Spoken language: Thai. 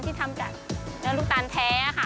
ที่ทำจากเนื้อลูกตาลแท้ค่ะ